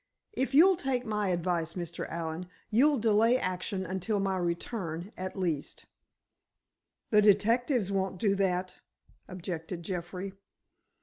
If you'll take my advice, Mr. Allen, you'll delay action until my return, at least." "The detectives won't do that," objected Jeffrey.